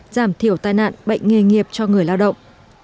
giảm thiểu tai nạn bệnh nghề nghiệp cho người lao động